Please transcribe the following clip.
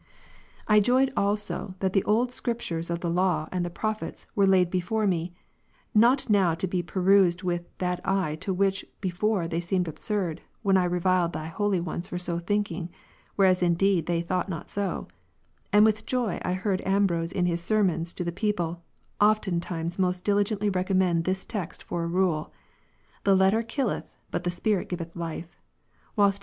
6. I joyed also, that the old Scriptures of the Law and the Prophets, were laid before me, not now to be perused with that eye to which before they seemed absurd, when I reviled Thy holy ones for so thinking, whereas indeed they thought not so : and with joy I heard Ambrose in his sermons to the people, oftentimes most diligently recommend this text for a 2 Cor. 3, rule. The letter killeth, but the Spirit giveth life ; whilst he j